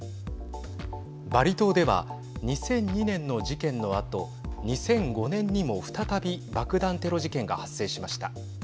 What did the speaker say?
バリ島では２００２年の事件のあと２００５年にも再び爆弾テロ事件が発生しました。